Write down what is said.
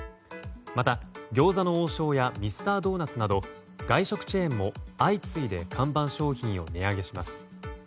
また、餃子の王将やミスタードーナツなど外食チェーンも相次いで看板商品を値上げします。